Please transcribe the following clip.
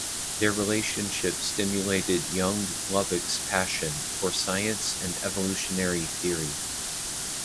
Their relationship stimulated young Lubbock's passion for science and evolutionary theory.